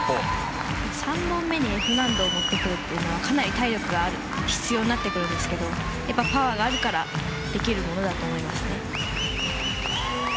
３本目にＦ難度を持ってくるというのはかなり体力が必要になってくるんですけどパワーがあるからできるものだと思いますね。